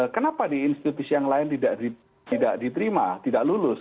kenapa di institusi yang lain tidak diterima tidak lulus